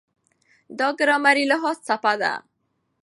دا ګرامري لحاظ څپه ده.